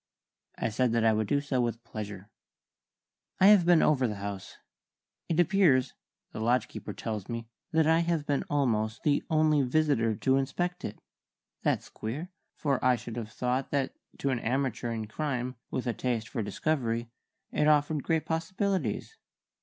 I said that I would do so with pleasure. "I have been over the house. It appears the lodge keeper tells me that I have been almost the only visitor to inspect it. That's queer, for I should have thought that to an amateur in crime with a taste for discovery it offered great possibilities.